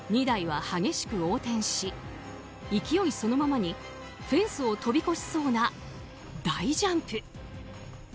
２台は激しく横転し勢いそのままにフェンスを飛び越しそうな大ジャンプ。